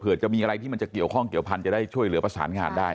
เพื่อจะมีอะไรที่มันจะเกี่ยวข้องเกี่ยวพันธ์จะได้ช่วยเหลือประสานงานได้